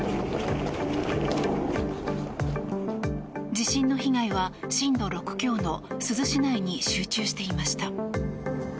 地震の被害は震度６強の珠洲市内に集中していました。